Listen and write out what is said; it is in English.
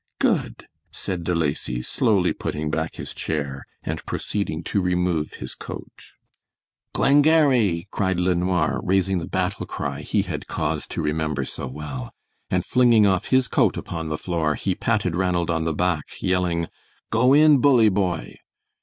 "Good," said De Lacy, slowly putting back his chair, and proceeding to remove his coat. "Glengarry!" cried LeNoir, raising the battle cry he had cause to remember so well; and flinging off his coat upon the floor, he patted Ranald on the back, yelling, "Go in, bully boy!"